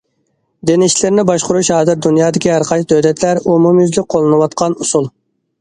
دىن ئىشلىرىنى باشقۇرۇش ھازىر دۇنيادىكى ھەرقايسى دۆلەتلەر ئومۇميۈزلۈك قوللىنىۋاتقان ئۇسۇل.